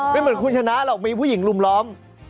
แต่ไม่ติดน้ำนะหรอกมีผู้หญิงลุ้มล้อม